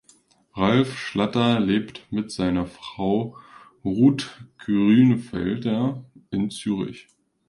Ralf Schlatter lebt mit seiner Frau Ruth Grünenfelder in Zürich.